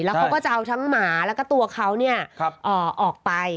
แล้วเขาก็จะเอาทั้งหมาแล้วก็ตัวเขาออกไป